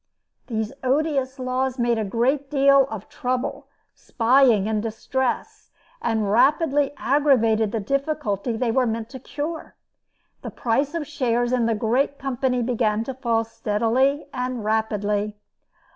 These odious laws made a great deal of trouble, spying, and distress, and rapidly aggravated the difficulty they were meant to cure. The price of shares in the great company began to fall steadily and rapidly.